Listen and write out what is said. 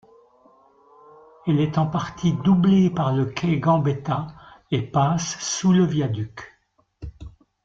Elle est en partie doublée par le quai Gambetta et passe sous le viaduc.